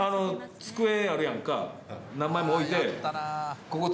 机あるやんか、何枚も置いて、ここ机